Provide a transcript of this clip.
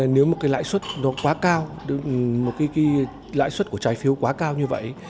nếu một lãi suất quá cao một lãi suất của trái phiếu quá cao như vậy